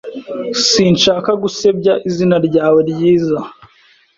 Sinshaka gusebya izina ryawe ryiza.